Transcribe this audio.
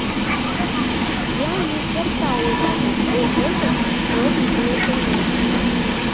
Я не звяртаў увагу, бо гэта ж робіцца ў інтэрнэце.